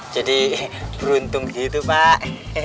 jadi beruntung gitu pak